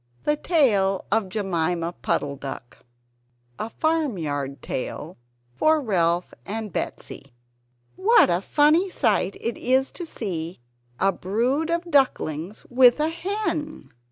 THE TALE OF JEMIMA PUDDLE DUCK [A Farmyard Tale for Ralph and Betsy] What a funny sight it is to see a brood of ducklings with a hen!